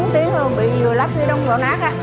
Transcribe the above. bốn tiếng rồi bị vừa lắp vừa đông rổ nát á